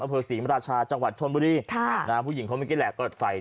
อเภิกสีมราชาจังหวัดชนบุรีค่ะนะฮะผู้หญิงเขามิกกี้แหลกก็ใส่